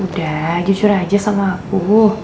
udah jujur aja sama aku